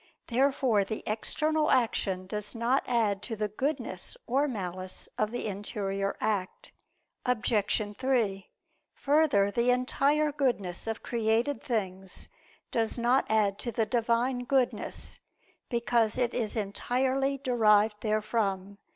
Therefore the external action does not add to the goodness or malice of the interior act. Obj. 3: Further, the entire goodness of created things does not add to the Divine Goodness, because it is entirely derived therefrom.